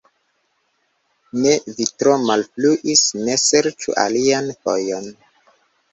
Ne, vi tro malfruis, ne ŝercu alian fojon!